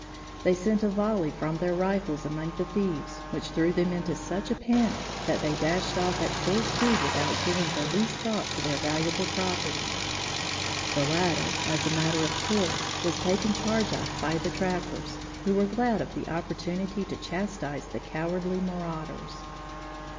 They sent a volley from their rifles among the thieves, which threw them into such a panic that they dashed off at full speed without giving the least thought to their valuable property. The latter as a matter of course was taken charge of by the trappers, who were glad of the opportunity to chastise the cowardly marauders.